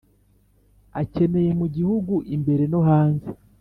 akeneye mu Gihugu imbere nohanze